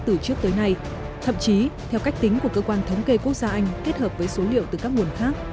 từ trước tới nay thậm chí theo cách tính của cơ quan thống kê quốc gia anh kết hợp với số liệu từ các nguồn khác